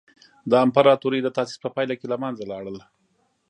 د امپراتورۍ د تاسیس په پایله کې له منځه لاړل.